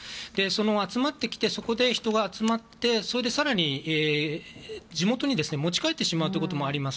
集まってきてそこで人が集まってそれで更に地元に持ち帰ってしまうということもあります。